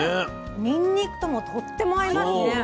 にんにくともとっても合いますね。